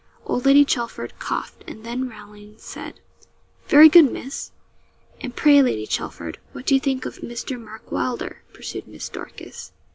Old Lady Chelford coughed, and then rallying, said 'Very good, Miss!' 'And pray, Lady Chelford, what do you think of Mr. Mark Wylder?' pursued Miss Dorcas.